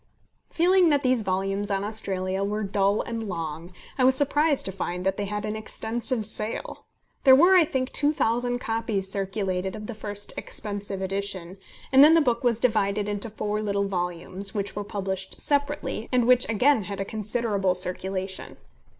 Feeling that these volumes on Australia were dull and long, I was surprised to find that they had an extensive sale. There were, I think, 2000 copies circulated of the first expensive edition; and then the book was divided into four little volumes, which were published separately, and which again had a considerable circulation.